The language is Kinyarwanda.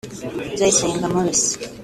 Uzayisenga Mourice